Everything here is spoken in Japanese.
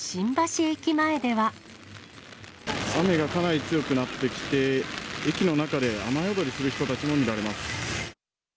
雨がかなり強くなってきて、駅の中で雨宿りする人たちも見られます。